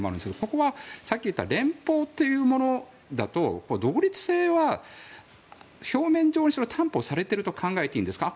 ここはさっき言った連邦というものだと独立性は表面上にしろ担保されていると考えていいんですか？